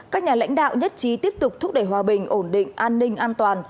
các nhà lãnh đạo nhất trí tiếp tục thúc đẩy hòa bình ổn định an ninh an toàn